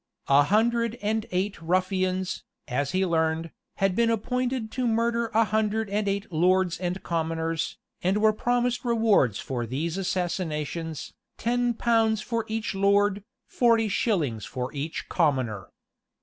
A hundred and eight ruffians, as he learned, had been appointed to murder a hundred and eight lords and commoners, and were promised rewards for these assassinations, ten pounds for each lord, forty shillings for each commoner.